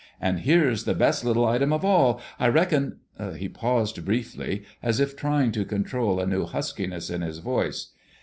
And here's the best little item of all, I reckon...." He paused briefly, as if trying to control a new huskiness in his speech.